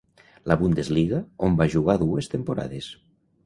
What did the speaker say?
La Bundesliga, on va jugar dues temporades.